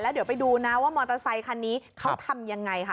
เดี๋ยวไปดูนะว่ามอเตอร์ไซคันนี้เขาทำยังไงค่ะ